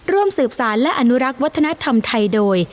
ร่วมสืบสารและอนุรักษ์วัฒนธรรมไทยโดย